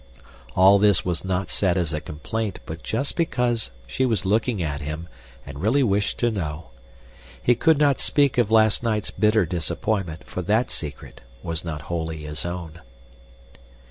All this was not said as a complaint but just because she was looking at him and really wished to know. He could not speak of last night's bitter disappointment, for that secret was not wholly his own.